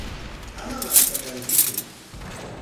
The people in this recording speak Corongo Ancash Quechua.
Ama manchakankitsu.